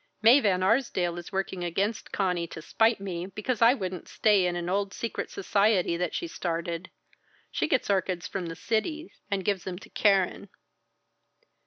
Mae Van Arsdale is working against Conny, to spite me, because I wouldn't stay in an old secret society that she started. She gets orchids from the city and gives them to Keren."